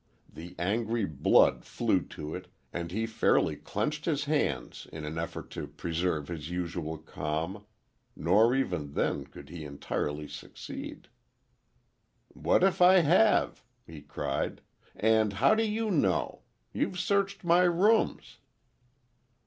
The angry blood flew to it, and he fairly clenched his hands in an effort to preserve his usual calm, nor even then, could he entirely succeed. "What if I have?" he cried, "and how do you know? You've searched my rooms!"